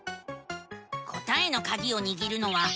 答えのカギをにぎるのはえら。